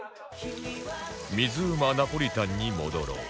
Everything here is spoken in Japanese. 水うまナポリタンに戻ろう